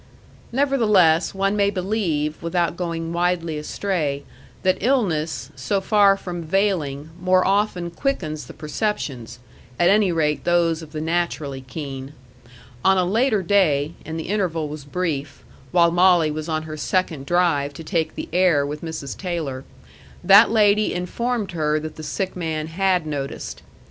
Nevertheless, one may believe, without going widely astray, that illness, so far from veiling, more often quickens the perceptions at any rate those of the naturally keen. On a later day and the interval was brief while Molly was on her second drive to take the air with Mrs. Taylor, that lady informed her that the sick man had noticed.